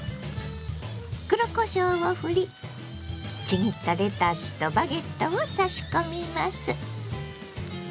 黒こしょうをふりちぎったレタスとバゲットを差し込みます。